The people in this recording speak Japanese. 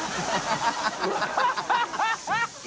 ハハハ